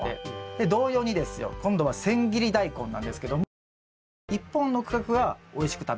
で同様にですよ今度は千切りダイコンなんですけども１本の区画はおいしく食べられました。